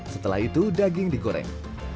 setelah itu daging digoreng